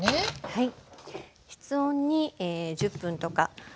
はい。